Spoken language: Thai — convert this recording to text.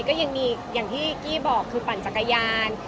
ก็ยังมีอย่างที่กี้บอกคือปั่นจักรยาน